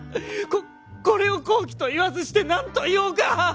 ここれを好機と言わずして何と言おうか？